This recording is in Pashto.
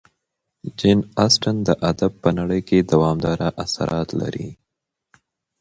جین اسټن د ادب په نړۍ کې دوامداره اثرات لري.